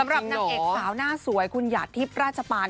สำหรับนักเอกสาวน่าสวยคุณหยาดทิพย์ราชปาล